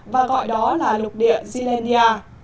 và gọi đó là lục địa zealandia